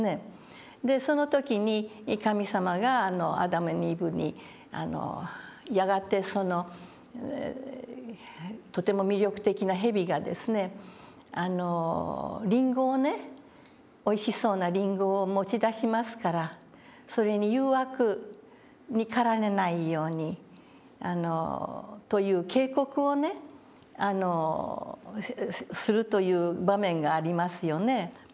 その時に神様がアダムにイブにやがてとても魅力的な蛇がりんごをねおいしそうなりんごを持ち出しますからそれに誘惑に駆られないようにという警告をするという場面がありますよね。